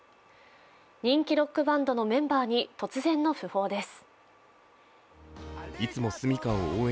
人気ロックバンドのメンバーに突然の不法です。